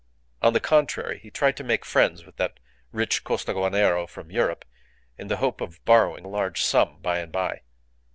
On the contrary, he tried to make friends with that rich Costaguanero from Europe in the hope of borrowing a large sum by and by.